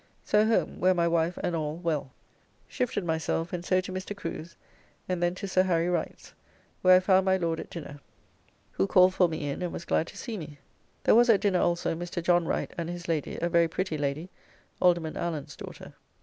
So home, where my wife and all well. Shifted myself, [Changed his dress.] and so to Mr. Crew's, and then to Sir Harry Wright's, where I found my Lord at dinner, who called for me in, and was glad to see me. There was at dinner also Mr. John Wright and his lady, a very pretty lady, Alderman Allen's daughter.